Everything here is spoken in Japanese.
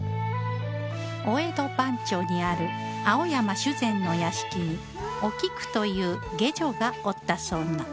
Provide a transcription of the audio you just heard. お江戸番町にある青山主膳の屋敷にお菊という下女がおったそうな